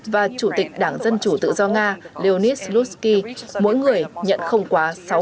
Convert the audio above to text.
và chủ tịch đảng dân chủ tự do nga leonid slutsky mỗi người nhận không quá sáu phiếu bầu